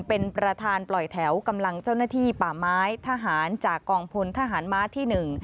เป็นประธานปล่อยแถวกำลังเจ้าหน้าที่ป่าไม้ทหารจากกองพลทหารม้าที่หนึ่ง